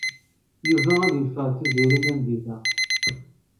Yuba ad yeffeɣ d Tiziri tameddit-a.